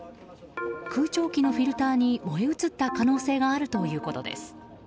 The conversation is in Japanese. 空調機のフィルターに燃え移った可能性があるということです。